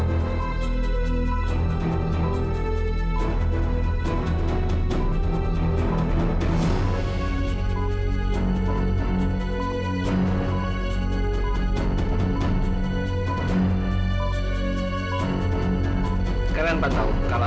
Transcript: semoga americ penular sekali